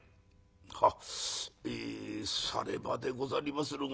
「はっ。えさればでござりまするが」。